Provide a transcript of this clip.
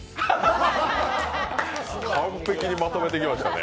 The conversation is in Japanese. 完璧にまとめてきましたね。